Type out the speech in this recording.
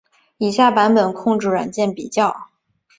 以下是版本控制软件比较。